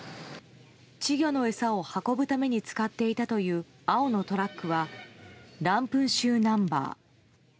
稚魚の餌を運ぶために使っていたという青のトラックはランプン州ナンバー。